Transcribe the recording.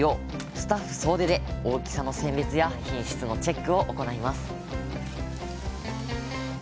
スタッフ総出で大きさの選別や品質のチェックを行います